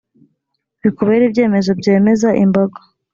Bikubere ibyemezo byemeza imbaga